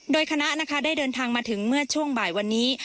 โดยคณะนะคะได้เดินทางมาถึงเมื่อช่วงบ่ายวันนี้